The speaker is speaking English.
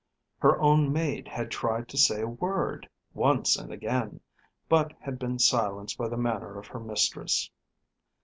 Her own maid had tried to say a word once and again, but had been silenced by the manner of her mistress.